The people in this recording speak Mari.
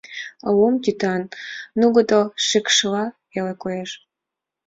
Лум тӱтан нугыдо шикшла веле коеш.